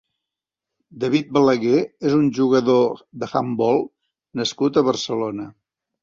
David Balaguer és un jugador d'handbol nascut a Barcelona.